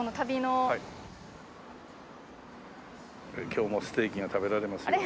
今日もステーキが食べられますように。